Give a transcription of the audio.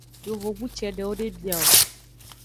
Yovogbu cedewo de bia o.